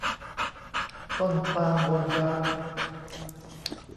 ต้นปาล์มโวยาจ